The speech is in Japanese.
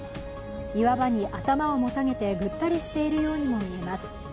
岩場に頭をもたげてぐったりしているようにも見えます。